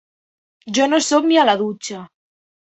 Jo no sóc ni a la dutxa.